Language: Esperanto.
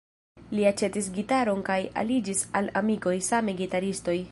Li aĉetis gitaron kaj aliĝis al amikoj, same gitaristoj.